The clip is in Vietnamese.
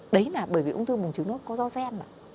đấy là bởi vì ung thư bùng trứng nó có do xen